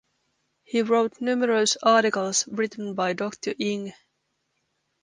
He wrote numerous articles written by Doctor Ing.